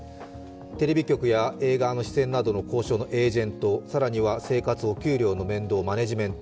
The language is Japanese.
テレビ局や映画の出演などの交渉のエージェント、更には生活、お給料の面倒マネージメント